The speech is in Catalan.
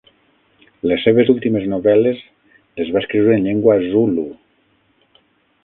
Les seves últimes novel·les les va escriure en llengua zulu.